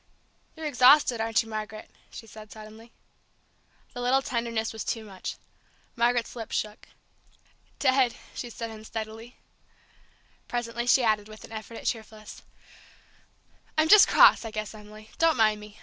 "You're exhausted, aren't you, Margaret?" she said suddenly. The little tenderness was too much. Margaret's lip shook. "Dead!" she said unsteadily. Presently she added, with an effort at cheerfulness, "I'm just cross, I guess, Emily; don't mind me!